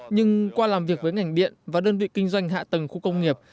nhưng qua làm việc với ngành điện và đơn vị kinh doanh hạ tầng khu công nghiệp